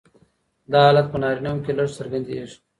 دا حالت په نارینهوو کې لږ څرګندیږي.